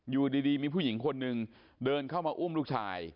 อยู่ดีมีผู้หญิงคนหนึ่งเดินเข้ามาอุ้มลูกชาย